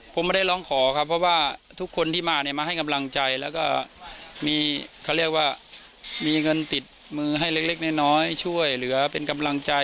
ผมไม่ได้ร้องขอครับเพราะว่าทุกคนที่มาเนี่ยมาให้กำลังใจแล้วก็มีเขาเรียกว่ามีเงินติดมือให้เล็กน้อยช่วยเหลือเป็นกำลังใจ